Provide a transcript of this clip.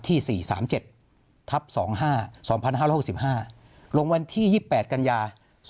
ที่๔๓๗ทับ๒๕๒๕๖๕ลงวันที่๒๘กันยา๒๕๖